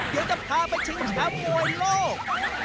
เดี๋ยวจะพาไปชิงแชมป์มวยโลก